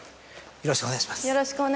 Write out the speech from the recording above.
よろしくお願いします。